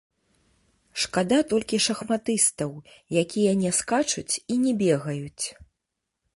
Шкада толькі шахматыстаў, якія не скачуць і не бегаюць.